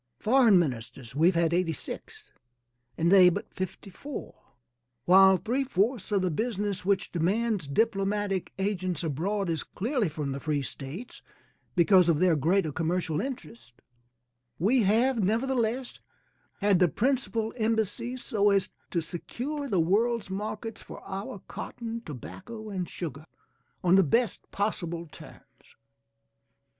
Foreign ministers we have had 86, and they but 54. While three fourths of the business which demands diplomatic agents abroad is clearly from the free States because of their greater commercial interests, we have, nevertheless, had the principal embassies so as to secure the world's markets for our cotton, tobacco and sugar, on the best possible terms.